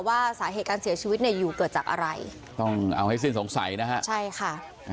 ว่าสาเหตุการเสียชีวิตเนี่ยอยู่เกิดจากอะไรต้องเอาให้สิ้นสงสัยนะฮะใช่ค่ะ